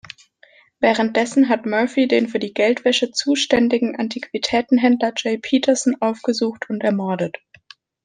Währenddessen hat Murphy den für die Geldwäsche zuständigen Antiquitätenhändler Jay Peterson aufgesucht und ermordet.